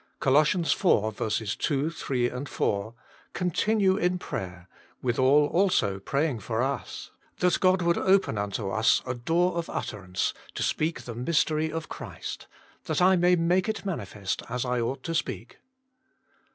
Col. iv. 2, 3, 4 : "Continue in prayer; withal also praying for us, that God would open unto us a door of utterance, to speak the mystery of Christ : that I may make it manifest as I ought to speak."